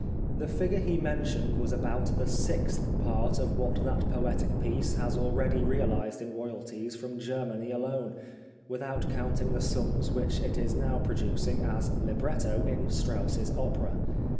The figure he mentioned was about the sixth part of what that poetic piece has already reahsed in royalties from Germany alone, with out counting the sums which it is now producing as libretto in Strauss's opera.